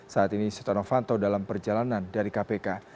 saat ini setenov anto dalam perjalanan dari kpk